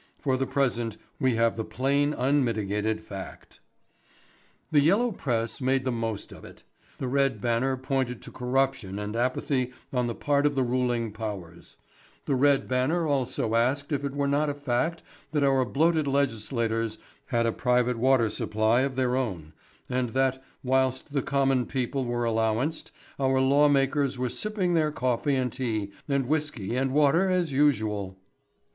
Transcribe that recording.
For the present we have the plain unmitigated fact. The yellow press made the most of it. The Red Banner pointed to corruption and apathy on the part of the ruling powers; the Red Banner also asked if it were not a fact that our bloated legislators had a private water supply of their own, and that, whilst the common people were allowanced, our law makers were sipping their coffee and tea and whiskey and water as usual?